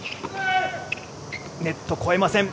ネット、越えません。